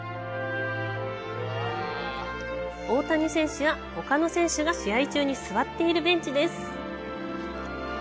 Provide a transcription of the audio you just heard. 大谷選手や、ほかの選手が試合中に座っているベンチです。